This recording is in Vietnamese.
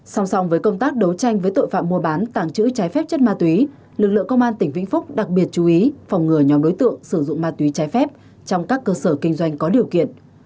song song với công tác đấu tranh với tội phạm mua bán tàng trữ trái phép chất ma túy lực lượng công an tỉnh vĩnh phúc đặc biệt chú ý phòng ngừa nhóm đối tượng sử dụng ma túy trái phép trong các cơ sở kinh doanh có điều kiện